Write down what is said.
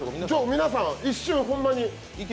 皆さん、一瞬、ほんまに。